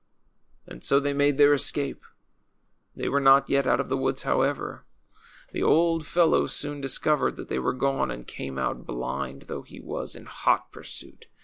And so they made their escape. They were not yet out of the woods, however. Tlie old fellow soon dis covered that they were gone, and came out, blind though he was, in hot pursuit.